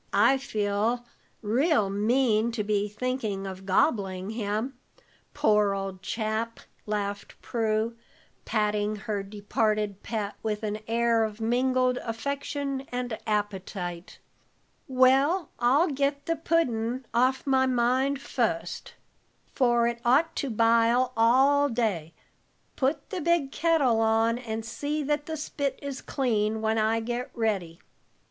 I feel real mean to be thinking of gobbling him, poor old chap," laughed Prue, patting her departed pet with an air of mingled affection and appetite. "Well, I'll get the puddin' off my mind fust, for it ought to bile all day. Put the big kettle on, and see that the spit is clean, while I get ready."